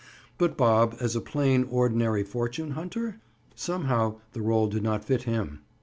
But Bob as a plain, ordinary fortune hunter?— Somehow the role did not fit him.